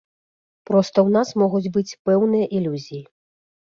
Проста ў нас могуць быць пэўныя ілюзіі.